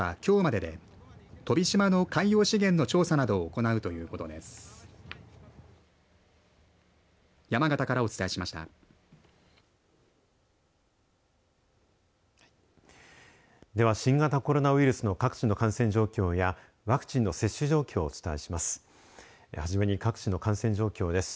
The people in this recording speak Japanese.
では新型コロナウイルスの各地の感染状況やワクチンの接種状況をお伝えします。